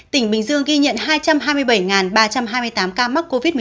tp hcm ghi nhận hai trăm hai mươi bảy ba trăm hai mươi tám ca mắc covid một mươi chín